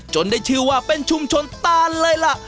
ได้ชื่อว่าเป็นชุมชนตานเลยล่ะ